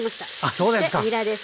そしてにらです。